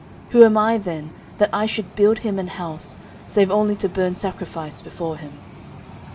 who am I then, that I should build him an house, save only to burn sacrifice before him?